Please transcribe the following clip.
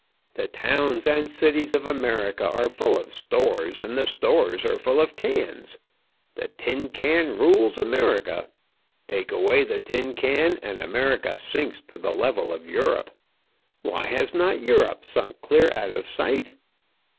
The towns and cities of America are full of stores, and the stores are full of cans. The tin can rules America! Take away the tin can, and America sinks to the level of Europe! Why has not Europe sunk clear out of sight?